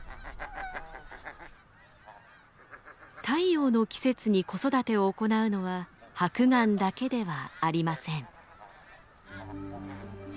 太陽の季節に子育てを行うのはハクガンだけではありません。